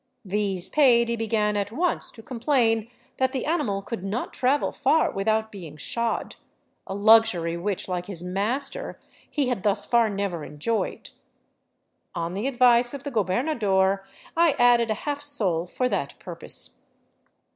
These paid, he began at once to complain that the animal could not travel far without being shod, a luxury which, like his master, he had thus far never enjoyed. On the advice of the gobernador I added a half sol for that purpose.